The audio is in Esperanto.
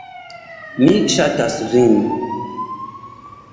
Mi ŝatas vin.